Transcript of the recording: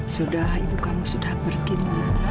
sudah ibu kamu sudah pergi